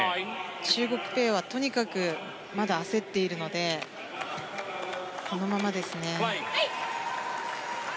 中国ペアはとにかくまだ焦っているのでこのままですね。